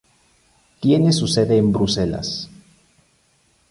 Tiene su sede en Bruselas.